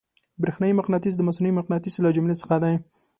برېښنايي مقناطیس د مصنوعي مقناطیس له جملې څخه دی.